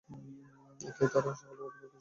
এতে তারা সকলে অতীব খুশি হল।